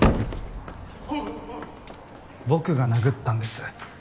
僕が殴ったんです。